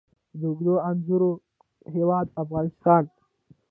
د اوږدو انځرو هیواد افغانستان.